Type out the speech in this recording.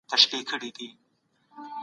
تاسي تل د ژوند په ښکلا پسي ځئ.